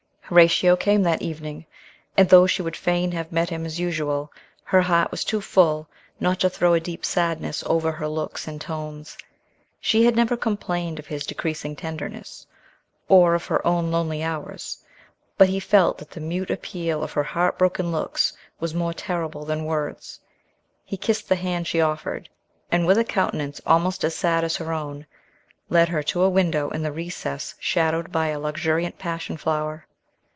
Horatio came that evening, and though she would fain have met him as usual, her heart was too full not to throw a deep sadness over her looks and tones. She had never complained of his decreasing tenderness, or of her own lonely hours; but he felt that the mute appeal of her heart broken looks was more terrible than words. He kissed the hand she offered, and with a countenance almost as sad as her own, led her to a window in the recess shadowed by a luxuriant passion flower.